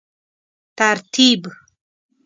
ترتیب